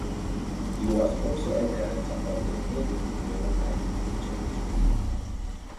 He was also a director of the Elim Mennonite Church.